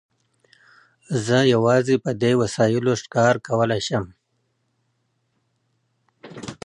زه یوازې په دې وسایلو ښکار کولای شم.